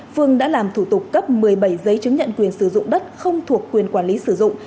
phương đã làm thủ tục cấp một mươi bảy giấy chứng nhận quyền sử dụng đất không thuộc quyền quản lý sử dụng